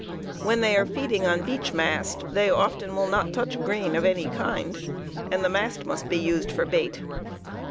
When they are feeding on beech mast, they often will not touch grain of any kind, and the mast must be used for bait.